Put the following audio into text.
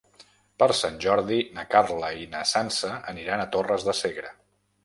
Per Sant Jordi na Carla i na Sança aniran a Torres de Segre.